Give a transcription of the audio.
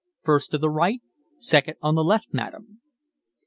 "First to the right. Second on the left, madam."